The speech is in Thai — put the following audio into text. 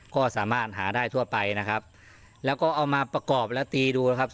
ก็สามารถหาได้ทั่วไปนะครับแล้วก็เอามาประกอบแล้วตีดูนะครับ